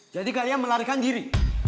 jadi kalian melarikan diri